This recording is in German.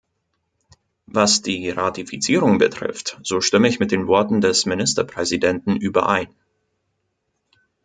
Was die Ratifizierung betrifft, so stimme ich mit den Worten des Ministerpräsidenten überein.